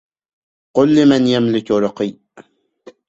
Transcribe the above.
قل لمن يملك رقي